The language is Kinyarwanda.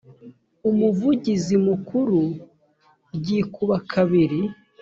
umuvugizi mukuru ryikuba kabiri